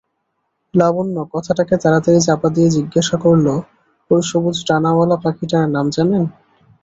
লাবণ্য কথাটাকে তাড়াতাড়ি চাপা দিয়ে জিজ্ঞাসা করলে, ঐ সবুজ ডানাওয়ালা পাখিটার নাম জানেন?